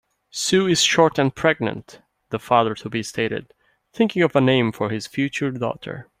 "Sue is short and pregnant", the father-to-be stated, thinking of a name for his future daughter.